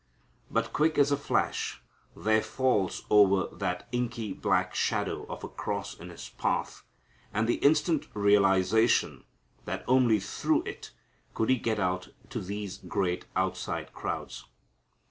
But, quick as a flash, there falls over that the inky black shadow of a cross in His path, and the instant realization that only through it could He get out to these great outside crowds.